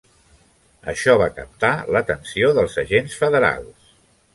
Això va captar l'atenció dels agents federals.